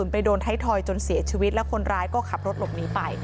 ไปโดนไทยทอยจนเสียชีวิตแล้วคนร้ายก็ขับรถหลบหนีไป